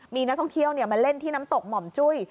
มีนักท่องเที่ยวมาเล่นที่น้ำตกหม่อมจุ้ย